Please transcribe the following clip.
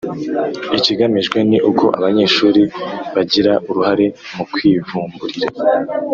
Ikigamijwe ni uko abanyeshuri bagira uruhare mu kwivumburira